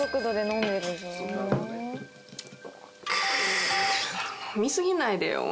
飲みすぎないでよ